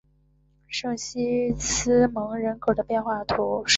圣西吉斯蒙人口变化图示